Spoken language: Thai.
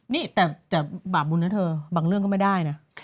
นี่แต่บาปบุญนะเธอบางเรื่องก็ไม่ได้นะ